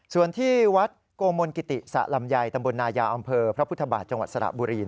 ส่วนที่วัดโกมนกิติสหรัมยัยตำบลนายอำเภอพระพุทธบาทสละบุรี